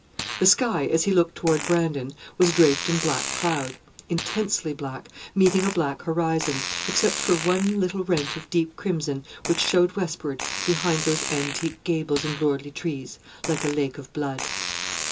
The sky, as he looked toward Brandon, was draped in black cloud, intensely black, meeting a black horizon except for one little rent of deep crimson which showed westward behind those antique gables and lordly trees, like a lake of blood.